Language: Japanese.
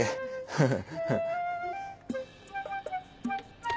フフ。